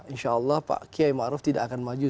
insya allah pak kiai ma'ruf tidak akan maju